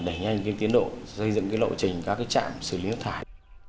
đẩy nhanh tiến độ xây dựng lộ trình các trạm xử lý nước thải